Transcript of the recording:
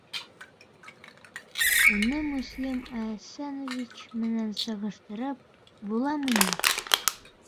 Уны Мөслим Әсәнович менән сағыштырып буламы ни?